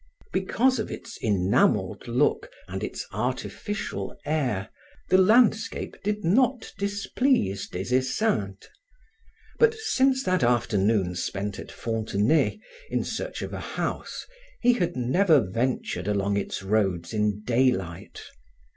Because of its enameled look and its artificial air, the landscape did not displease Des Esseintes. But since that afternoon spent at Fontenay in search of a house, he had never ventured along its roads in daylight.